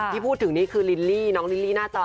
ที่พูดถึงนี่คือลิลลี่น้องลิลลี่หน้าจอ